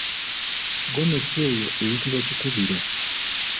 Ggomesi eyo eyitibwa kikubiro.